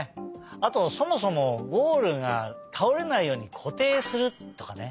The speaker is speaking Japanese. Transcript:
あとそもそもゴールがたおれないようにこていするとかね。